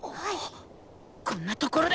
こんなところで。